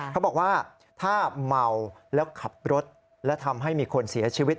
เขาบอกว่าถ้าเมาแล้วขับรถและทำให้มีคนเสียชีวิต